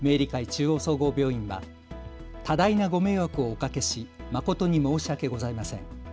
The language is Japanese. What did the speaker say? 中央総合病院は多大なご迷惑をおかけし誠に申し訳ございません。